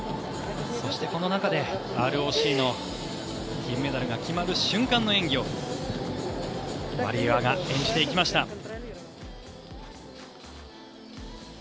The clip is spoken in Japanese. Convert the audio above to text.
そして、この中でＲＯＣの金メダルが決まる瞬間の演技をワリエワが演じていきました。